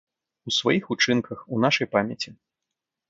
У сваіх учынках, у нашай памяці.